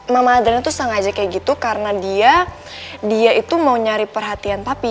mama adrian tuh sengaja kayak gitu karena dia dia itu mau nyari perhatian tapi